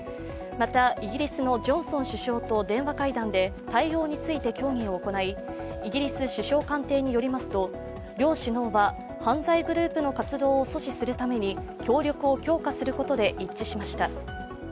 また、イギリスのジョンソン首相と電話会談で対応について協議を行い、イギリス首相官邸によりますと両首脳は犯罪グループの活動を阻止するために協力を強化することで一致しました。